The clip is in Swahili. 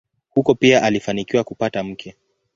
Huko pia alifanikiwa kupata mke.